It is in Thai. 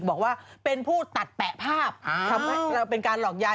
บอกว่าเป็นผู้ตัดแปะภาพทำให้เราเป็นการหลอกยาย